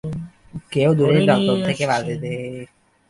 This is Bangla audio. কেউ দূরের নলকূপ থেকে বালতিতে করে নিয়ে আসছেন।